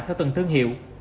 theo từng thương hiệu